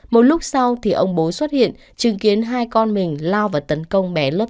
một lúc sau thì ông bố xuất hiện chứng kiến hai con mình lao vào tấn công bé lớp